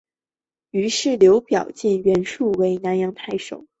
于是刘表荐袁术为南阳太守。